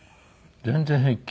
全然平気。